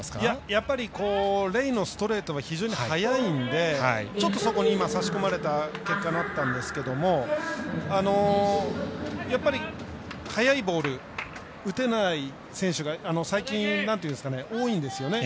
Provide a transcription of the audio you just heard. やっぱり、レイのストレートは非常に速いのでちょっと差し込まれた結果になったんですがやっぱり速いボール打てない選手が最近、多いんですよね。